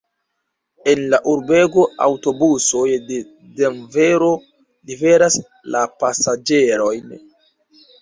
En la urbego aŭtobusoj de Denvero liveras la pasaĝerojn.